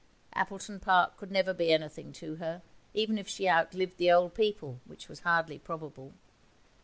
Appleton Park could never be anything to her, even if she outlived the old people, which was hardly probable.